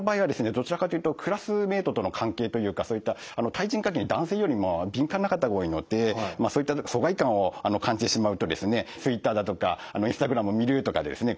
どちらかというとクラスメートとの関係というかそういった対人関係に男性よりも敏感な方が多いのでそういった疎外感を感じてしまうとですねＴｗｉｔｔｅｒだとかＩｎｓｔａｇｒａｍを見るとかでですね